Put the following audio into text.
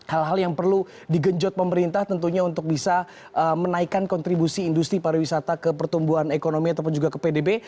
hal hal yang perlu digenjot pemerintah tentunya untuk bisa menaikkan kontribusi industri pariwisata ke pertumbuhan ekonomi ataupun juga ke pdb